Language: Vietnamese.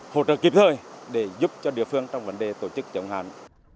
hỗ trợ kịp thời để giúp cho địa phương trong vấn đề tổ chức chống hạn